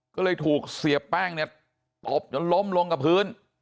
ก็เลยถูกเสียแป้งเนี่ยตบจนล้มลงกับพื้น